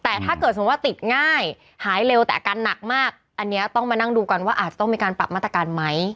แต่ถ้าเกิดสมมุติว่าติดง่ายหายเร็วแต่อาการหนักมากอันนี้ต้องมานั่งดูกันว่าอาจจะต้องมีการปรับมาตรการไหม